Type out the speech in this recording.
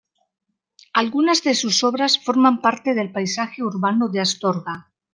Algunas de sus obras forman parte del paisaje urbano de Astorga.